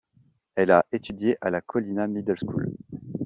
Elle a étudié à la Colina Middle School.